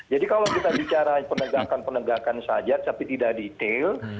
jadi kalau kita bicara penegakan penegakan saja tapi tidak detail